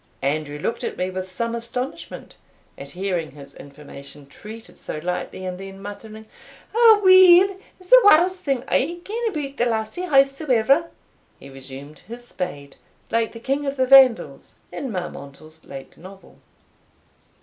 Andrew looked at me with some astonishment, at hearing his information treated so lightly; and then muttering, "Aweel, it's the warst thing I ken aboot the lassie, howsoe'er," he resumed his spade, like the king of the Vandals, in Marmontel's late novel.